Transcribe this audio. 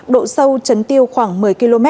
độ sâu chấn tiêu khoảng một mươi km